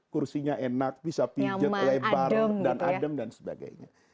kursinya enak bisa pijet lebar dan adem dan sebagainya